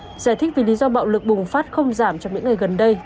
để giải thích vì lý do bạo lực bùng phát không giảm trong những ngày gần đây